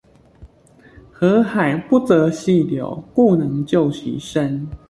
河海不擇細流，故能就其深